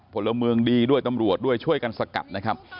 พลเมืองดีด้วยตำรวจด้วยช่วยกันสกัดนะครับ